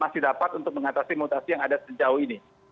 masih dapat untuk mengatasi mutasi yang ada sejauh ini